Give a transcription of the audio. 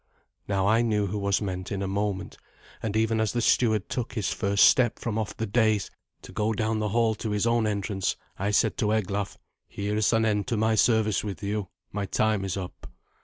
Now I knew who was meant in a moment, and even as the steward took his first step from off the dais to go down the hail to his own entrance, I said to Eglaf, "Here is an end to my service with you. My time is up."